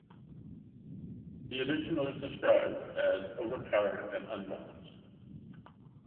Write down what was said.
The addition was described as "overpowered and unbalanced".